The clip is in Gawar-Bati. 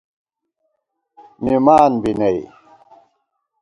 مِمان بی نئ